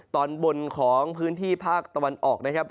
ตอนบนของพื้นที่ภาคตะวันออกนะครับ